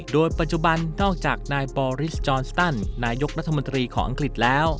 โดยปัจจุบันนอกจากนายปอริสจอนสตันนายกรัฐมนตรีของอังกฤษแล้ว